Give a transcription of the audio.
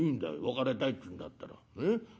別れたいっつうんだったら。